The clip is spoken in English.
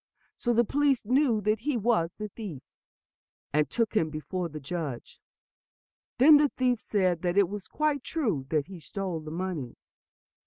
So the police knew that he was the thief, and took him before the judge. Then the thief said that it was quite true that he stole the money.